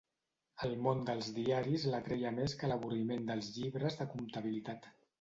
El món dels diaris l'atreia més que l'avorriment dels llibres de comptabilitat.